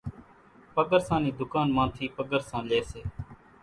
پڳرسان نِي ڌُڪان مان ٿِي پڳرسان لئي سي۔